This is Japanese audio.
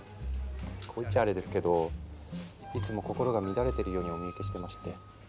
こう言っちゃアレですけどいつも心が乱れているようにお見受けしてまして。